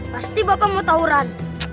pasti bapak mau tahu ran